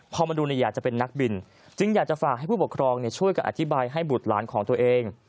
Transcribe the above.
พอมาดูอยากจะเป็นนักบินจึงอยากจะฝากให้ผู้ปกครองช่วยกันอธิบายให้บุตรหลานของตัวเอง